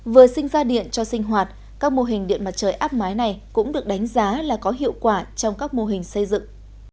vừa sinh ra điện cho sinh hoạt các mô hình điện mặt trời áp mái này cũng được đánh giá là có hiệu quả trong các mô hình xây dựng